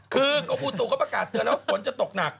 คือกรมอุตุก็ประกาศเตือนแล้วว่าฝนจะตกหนัก